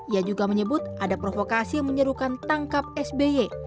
ia juga menyebut ada provokasi yang menyerukan tangkap sby